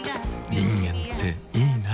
人間っていいナ。